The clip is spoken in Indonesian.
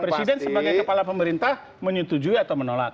presiden sebagai kepala pemerintah menyetujui atau menolak